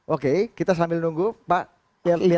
oke kita sambil nunggu pak lihat headline nya